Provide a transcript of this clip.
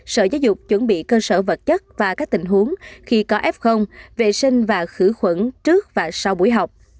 sở giáo dục chuẩn bị cơ sở vật chất và các tình huống khi có f vệ sinh và khử khuẩn trước và sau buổi học